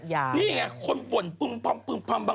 อย่างนี้ไงคนผ่วนปึ้มปั๊มปึ้มปั๊มปั๊ม